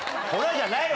じゃないわ。